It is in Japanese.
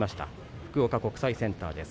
福岡国際センターです。